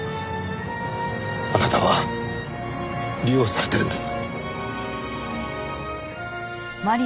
あなたは利用されてるんです。